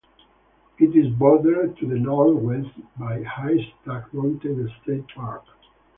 It is bordered to the northwest by Haystack Mountain State Park.